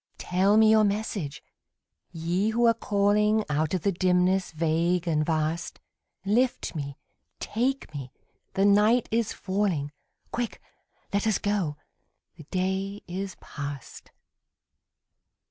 Tell me your message, Ye who are calling Out of the dimness vague and vast; Lift me, take me, the night is falling; Quick, let us go, the day is past.